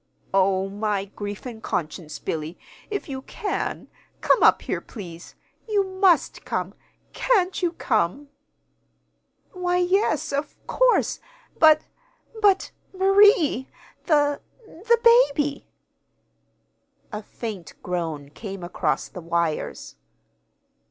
"Oh, my grief and conscience, Billy, if you can, come up here, please. You must come! Can't you come?" "Why, yes, of course. But but Marie! The the baby!" A faint groan came across the wires.